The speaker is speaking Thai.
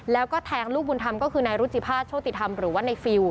แล้วก็แทงลูกบุญธรรมก็คือนายรุจิภาษโชติธรรมหรือว่าในฟิล